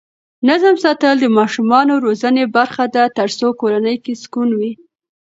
نظم ساتل د ماشومانو روزنې برخه ده ترڅو کورنۍ کې سکون وي.